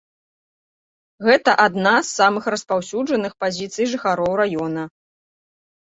Гэта адна з самых распаўсюджаных пазіцый жыхароў раёна.